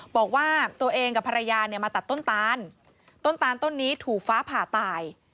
บอกว่าตัวเองกับภรรยาเนี่ยมาตัดต้นตานต้นตานต้นนี้ถูกฟ้าผ่าตาย